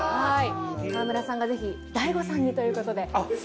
川村さんがぜひ大悟さんにということで。